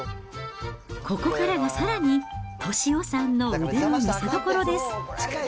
ここからがさらに、俊雄さんの腕の見せどころです。